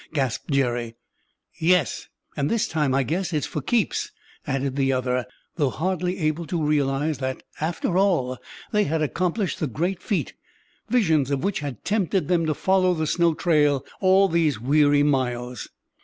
gasped Jerry. "Yes, and this time, I guess, it's for keeps," added the other, though hardly able to realize that, after all, they had accomplished the great feat, visions of which had tempted them to follow the snow trail all these weary miles.